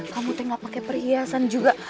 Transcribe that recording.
kamu tuh gak pakai perhiasan juga